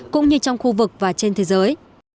cũng như trong khu vực và trên thế giới